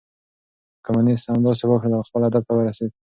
کمونيسټ همداسې وکړل او خپل هدف ته ورسېد.